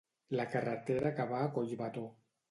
La carretera que va a Collbató.